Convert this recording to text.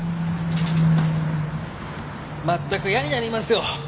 まったく嫌になりますよ。